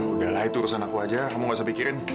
udahlah itu urusan aku aja kamu gak usah pikirin